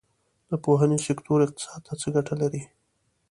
د پوهنې سکتور اقتصاد ته څه ګټه لري؟